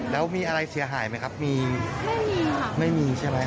เคยวิ่งจับก็วิ่งตามคนร้านไปว่าคนร้านใส่เสื้อเสียงเงิน